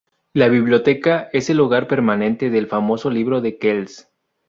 La Biblioteca es el hogar permanente del famoso Libro de Kells.